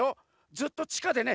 ずっとちかでね